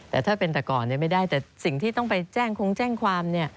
แต่ถ้าเป็นแต่ก่อนไม่ได้แต่สิ่งที่ต้องไปแจ้งคงแจ้งความ